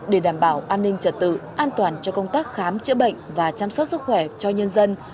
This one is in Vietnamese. để đảm bảo an ninh trật tự an toàn cho công tác khám chữa bệnh và chăm sóc sức khỏe cho nhân dân